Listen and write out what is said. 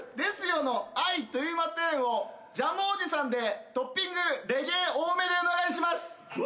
の「あいとぅいまてん」をジャムおじさんでトッピングレゲエ多めでお願いします。